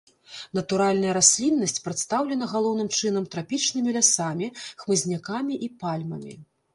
Натуральная расліннасць прадстаўлена галоўным чынам трапічнымі лясамі, хмызнякамі і пальмамі.